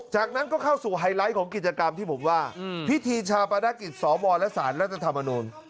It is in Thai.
จากนั้นก็เข้าสู่ไฮไลท์ของกิจกรรมที่ผมว่าพิธีชาปนกิจสวและสารรัฐธรรมนูล